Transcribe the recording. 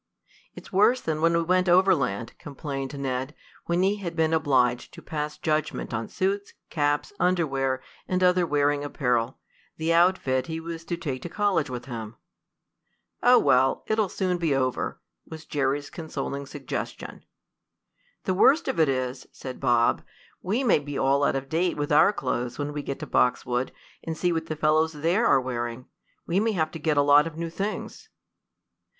"It's worse than when we went overland," complained Ned, when he had been obliged to pass judgment on suits, caps, underwear and other wearing apparel the outfit he was to take to college with him. "Oh, well, it'll soon be over," was Jerry's consoling suggestion. "The worst of it is," said Bob, "we may be all out of date with our clothes when we get to Boxwood and see what the fellows there are wearing. We may have to get a lot of new things."